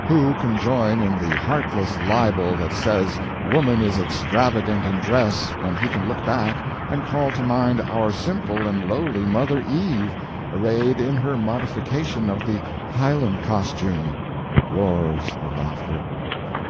] Who can join in the heartless libel that says woman is extravagant in dress when he can look back and call to mind our simple and lowly mother Eve arrayed in her modification of the Highland costume. [Roars of laughter.